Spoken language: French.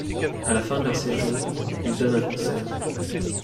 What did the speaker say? À la fin de leur séjour, ils donnent un concert.